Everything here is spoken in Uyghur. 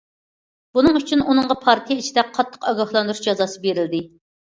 بۇنىڭ ئۈچۈن، ئۇنىڭغا پارتىيە ئىچىدە قاتتىق ئاگاھلاندۇرۇش جازاسى بېرىلدى.